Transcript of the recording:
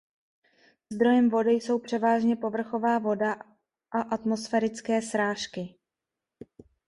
Zdrojem vody jsou převážně povrchová voda a atmosférické srážky.